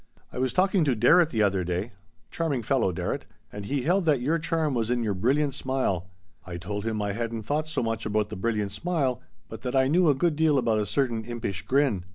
I was talking to Darrett the other day charming fellow, Darrett and he held that your charm was in your brilliant smile. I told him I hadn't thought so much about the brilliant smile, but that I knew a good deal about a certain impish grin.